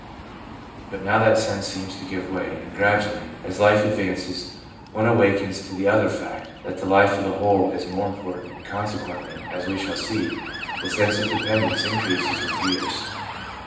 But now that sense seems to give way, and gradually, as life advances, one awakens to the other fact, that the life of the whole is the more important; and consequently, as we shall see, the sense of dependence increases with years.